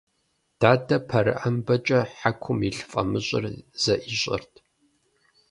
Дадэ пэрыӏэмбэкӏэ хьэкум илъ фӏамыщӏыр зэӏищӏэрт.